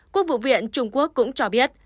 quốc vụ viện trung quốc cũng cho biết